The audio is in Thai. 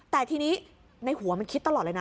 แต่ทีนี้ในหัวมันคิดตลอดเลยนะ